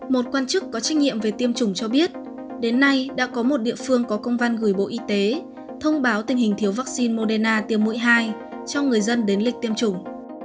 một quan chức có trách nhiệm về tiêm chủng cho biết đến nay đã có một địa phương có công văn gửi bộ y tế thông báo tình hình thiếu vaccine moderna tiêm mũi hai cho người dân đến lịch tiêm chủng